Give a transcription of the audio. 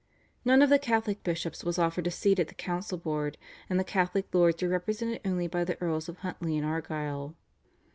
None of the Catholic bishops was offered a seat at the council board, and the Catholic lords were represented only by the Earls of Huntly and Argyll.